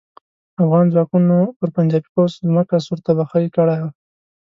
افغان ځواکونو پر پنجاپي پوځ ځمکه سور تبخی کړه.